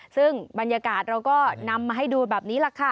ซึ่งบรรยากาศเราก็นำมาให้ดูแบบนี้แหละค่ะ